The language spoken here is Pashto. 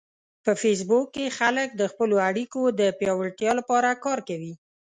په فېسبوک کې خلک د خپلو اړیکو د پیاوړتیا لپاره کار کوي